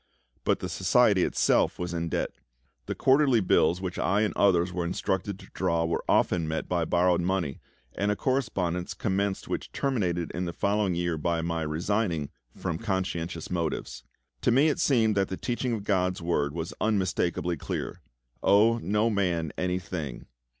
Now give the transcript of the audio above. But the Society itself was in debt. The quarterly bills which I and others were instructed to draw were often met by borrowed money, and a correspondence commenced which terminated in the following year by my resigning from conscientious motives. To me it seemed that the teaching of GOD'S Word was unmistakably clear: "Owe no man any thing."